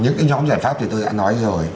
những cái nhóm giải pháp thì tôi đã nói rồi